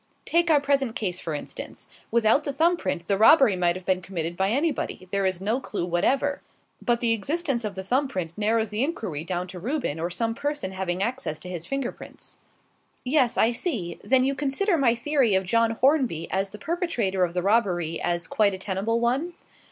Take our present case, for instance. Without the thumb print, the robbery might have been committed by anybody; there is no clue whatever. But the existence of the thumb print narrows the inquiry down to Reuben or some person having access to his finger prints." "Yes, I see. Then you consider my theory of John Hornby as the perpetrator of the robbery as quite a tenable one?"